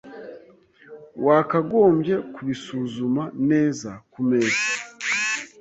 Wakagombye kubisuzuma neza kumeza .